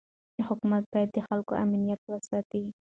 حکومت باید د خلکو امنیت وساتي.